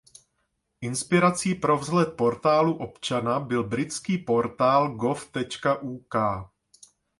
Inspirací pro vzhled portálu občana byl britský portál gov.uk.